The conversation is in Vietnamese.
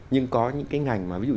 nhưng có những cái ngành mà ví dụ